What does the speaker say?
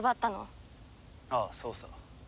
ああそうさ。